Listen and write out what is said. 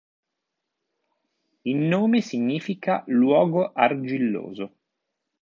In nome significa "luogo argilloso".